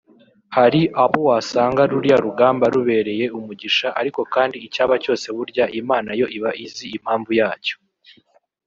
Hari abo wasanga ruriya rugamba rubereye umugisha ariko kandi icyaba cyose burya Imana yo iba izi impamvu yacyo